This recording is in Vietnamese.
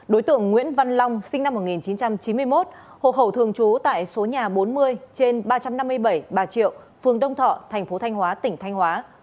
đối tượng nguyễn văn long sinh năm một nghìn chín trăm chín mươi một hộ khẩu thường trú tại số nhà bốn mươi trên ba trăm năm mươi bảy bà triệu phường đông thọ thành phố thanh hóa tỉnh thanh hóa